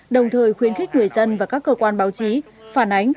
đồng thời khuyến khích người dân và các cơ quan báo chí phản ánh